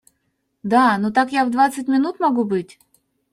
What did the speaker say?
Да, ну так я в двадцать минут могу быть.